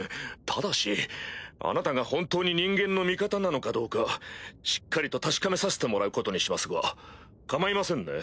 ただしあなたが本当に人間の味方なのかどうかしっかりと確かめさせてもらうことにしますが構いませんね？